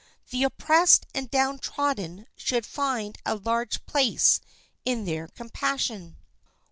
The oppressed and downtrodden should find a large place in their compassion.